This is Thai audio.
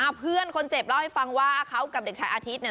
เพื่อนคนเจ็บเล่าให้ฟังว่าเขากับเด็กชายอาทิตย์เนี่ย